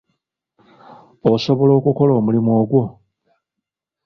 Osobola okukola omulimu ogwo?